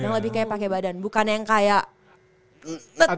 yang lebih kayak pake badan bukannya yang kayak tetetetetet